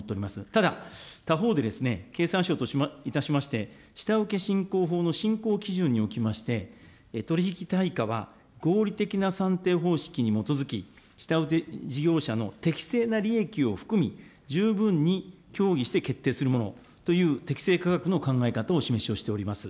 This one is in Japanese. ただ、他方で、経産省といたしまして、下請けしんこう法の進行基準におきまして、取り引き対価は合理的な算定方式に基づき、下請け事業者の適性な利益を含み、十分に協議して決定するものという適正価格の考え方をお示しをしております。